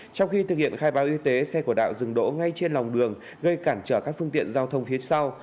trong khi thực hiện khai báo y tế xe của đạo dừng đỗ ngay trên lòng đường gây cản trở các phương tiện giao thông phía sau